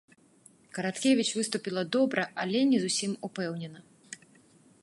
Караткевіч выступіла добра, але не зусім упэўнена.